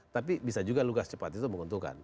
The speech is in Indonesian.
tapi bisa juga lukas cepat itu menguntungkan